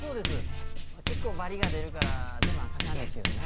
結構バリが出るから手間かかんねんけどな。